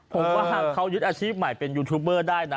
ผมว่าเขายึดอาชีพใหม่เป็นยูทูบเบอร์ได้นะ